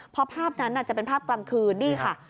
พอภาพนั้นจะเป็นภาพกลางคืนนี่ค่ะ